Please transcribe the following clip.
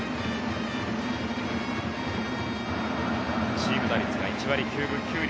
チーム打率が１割９分９厘。